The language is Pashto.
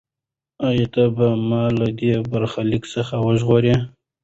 ایا ته به ما له دې برخلیک څخه وژغورې؟